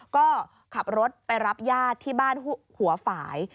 ก็ขับรถไปรับญาติที่บ้านหัวฝ่าย